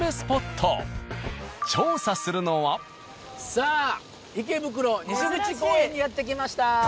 さあ池袋西口公園にやって来ました。